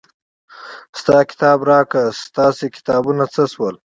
ستا کتاب راکړه ستاسې کتابونه څه شول.